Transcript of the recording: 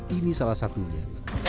ini salah satunya